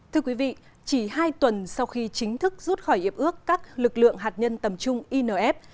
thưa quý vị chỉ hai tuần sau khi chính thức rút khỏi hiệp ước các lực lượng hạt nhân tầm trung inf